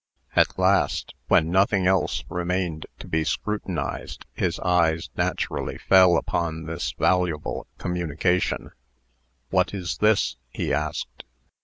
At last, when nothing else remained to be scrutinized, his eyes naturally fell upon this valuable communication. "What is this?" he asked.